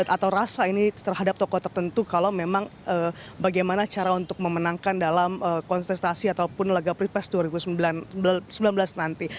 atau rasa ini terhadap tokoh tertentu kalau memang bagaimana cara untuk memenangkan dalam kontestasi ataupun laga pripes dua ribu sembilan belas nanti